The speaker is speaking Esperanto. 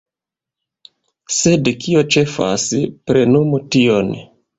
Sed kio ĉefas – plenumu tion.